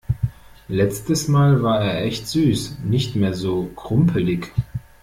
Letztes Mal war er echt süß. Nicht mehr so krumpelig.